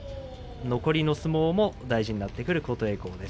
残りの相撲も大事になってくる琴恵光です。